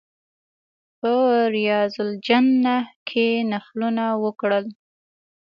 په ریاض الجنه کې نفلونه وکړل.